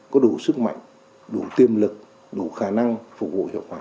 có đủ sức mạnh đủ tiềm lực đủ khả năng phục vụ hiệu quả